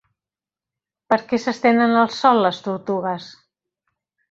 Per què s'estenen al sol les tortugues?